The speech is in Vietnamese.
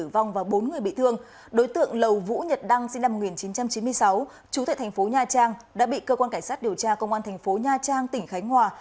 đăng sinh năm một nghìn chín trăm chín mươi sáu trú tại thành phố nha trang đã bị cơ quan cảnh sát điều tra công an thành phố nha trang tỉnh khánh hòa